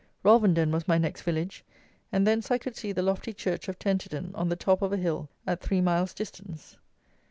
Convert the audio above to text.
Rolvenden was my next village, and thence I could see the lofty church of Tenterden on the top of a hill at three miles distance.